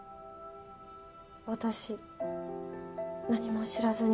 私何も知らずに。